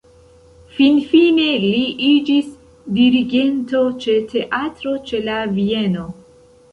Finfine li iĝis dirigento ĉe Teatro ĉe la Vieno.